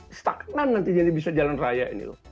ini stagnan nanti jadi bisa jalan raya ini loh